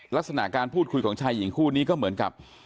ลักษณะการพูดคุยของชายหญิงคู่นี้ก็เหมือนกับ